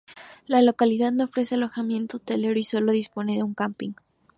La localidad no ofrece alojamiento hotelero y solo dispone de un camping.